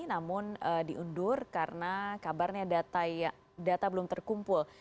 namun diundur karena kabarnya data belum terkumpul